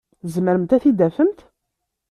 Tzemremt ad t-id-tafemt?